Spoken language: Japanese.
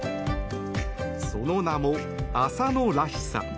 その名も、朝のらしさ。